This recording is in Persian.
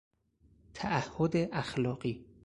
تعهد اخلاقی